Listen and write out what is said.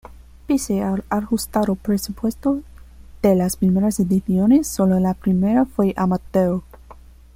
Pese al ajustado presupuesto de las primeras ediciones solo la primera fue amateur.